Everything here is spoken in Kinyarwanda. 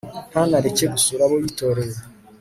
ntanareke gusura abo yitoreye